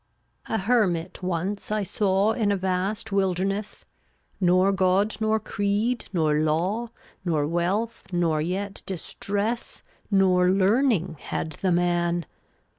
353 A hermit once I saw d^ttt/lt* In a vast wilderness; Nor god, nor creed, nor law, \£*l' Nor wealth, nor yet distress, ffUttd" Nor learning had the man.